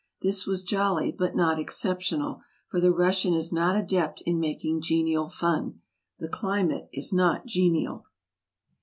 This was jolly but not exceptional, for the Russian is not adept in making genial fun. The climate is not genial.